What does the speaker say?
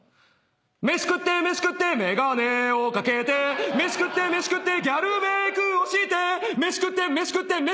「飯食って飯食って眼鏡を掛けて」「飯食って飯食ってギャルメークをして」「飯食って飯食ってる」